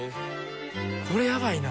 これやばいな。